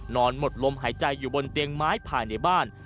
นอนหมดลมหายใจอยู่บนเตียงไม้ภายในบ้าน